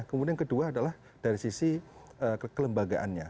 kemudian kedua adalah dari sisi kelembagaannya